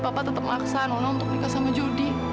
papa tetap maksa nona untuk nikah sama jodi